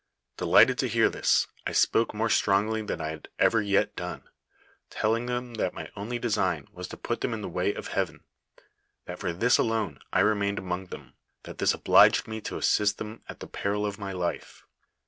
Delighted to hear this, I spoke more strongly than I had ever yet done, telling them that my only design was to put them in the way of heaven ; that for this alone I remained among them ; that this obliged me to assist them at the peril of my life.